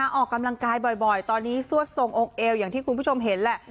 ออกกำลังกายบ่อยตอนนี้ซวดทรงองค์เอวอย่างที่คุณผู้ชมเห็นแหละ